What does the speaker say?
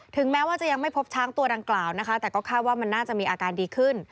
แม้ว่าจะยังไม่พบช้างตัวดังกล่าวนะคะแต่ก็คาดว่ามันน่าจะมีอาการดีขึ้น